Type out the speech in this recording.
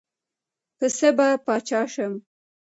پۀ څۀ به باچا شم ـ